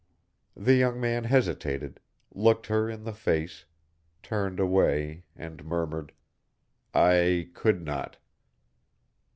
The young man hesitated, looked her in the face, turned away, and murmured, "I could not."